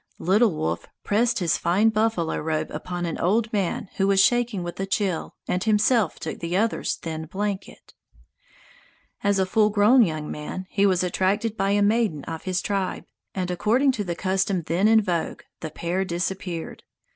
Little Wolf pressed his fine buffalo robe upon an old man who was shaking with a chill and himself took the other's thin blanket. As a full grown young man, he was attracted by a maiden of his tribe, and according to the custom then in vogue the pair disappeared.